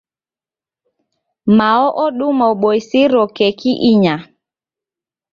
Mao oduma uboisiro keki inya.